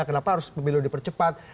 kenapa harus pemilu dipercepat